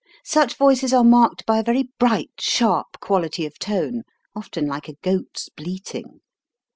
Such voices are marked by a very bright, sharp quality of tone, often like a goat's bleating.